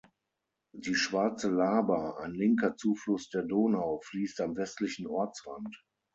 Die Schwarze Laber, ein linker Zufluss der Donau, fließt am westlichen Ortsrand.